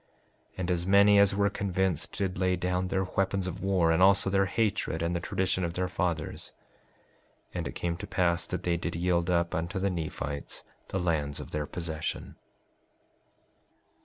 5:51 And as many as were convinced did lay down their weapons of war, and also their hatred and the tradition of their fathers. 5:52 And it came to pass that they did yield up unto the Nephites the lands of their possession.